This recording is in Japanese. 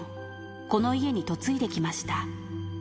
この家に嫁いできました。